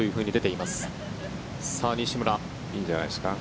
いいんじゃないですか。